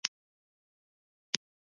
مصنوعي ځیرکتیا د انساني خطا کچه راټیټوي.